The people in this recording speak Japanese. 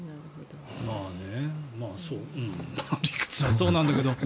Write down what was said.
まあ理屈はそうなんだけど。